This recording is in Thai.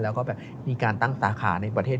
แล้วก็แบบมีการตั้งสาขาในประเทศ